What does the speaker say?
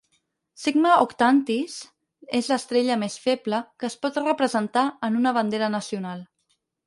Sigma Octantis és l'estrella més feble que es pot representar en una bandera nacional.